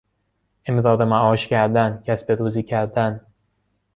امرار معاش کردن، کسب روزی کردن